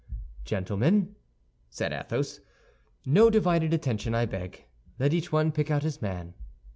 "Gentlemen," said Athos, "no divided attention, I beg; let each one pick out his man."